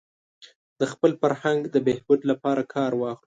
د خپل فرهنګ د بهبود لپاره کار واخلو.